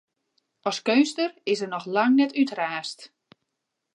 As keunstner is er noch lang net útraasd.